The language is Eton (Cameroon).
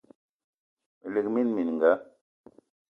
Me lik mina mininga